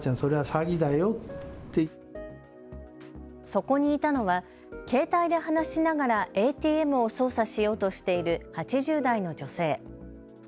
そこにいたのは携帯で話しながらＡＴＭを操作しようとしている８０代の女性。